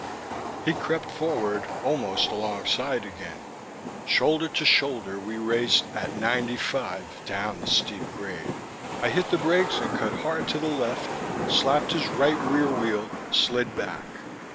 He crept forward, almost alongside again; shoulder to shoulder we raced at ninety five down the steep grade.... I hit the brakes and cut hard to the left, slapped his right rear wheel, slid back.